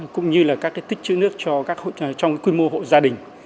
cũng như các tích chữ nước trong quy mô hộ gia đình